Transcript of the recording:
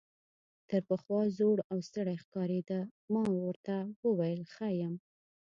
تر پخوا زوړ او ستړی ښکارېده، ما ورته وویل ښه یم.